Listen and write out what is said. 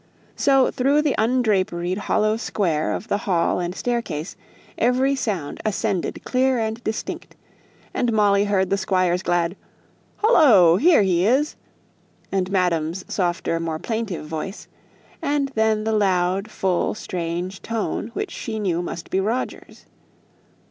So, through the undraperied hollow square of the hall and staircase every sound ascended clear and distinct; and Molly heard the Squire's glad "Hallo! here he is," and madam's softer, more plaintive voice; and then the loud, full, strange tone, which she knew must be Roger's.